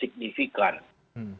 itu secara statistik lima nama teratas